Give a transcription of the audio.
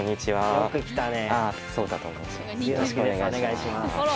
よろしくお願いします。